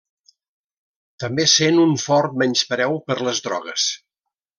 També sent un fort menyspreu per les drogues.